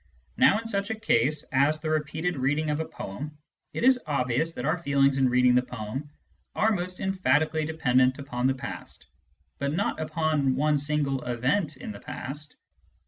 Now in such a case as the repeated reading of a poem, it is obvious that our feelings in reading the poem are most emphatically dependent upon the past, but not upon one single event in the past.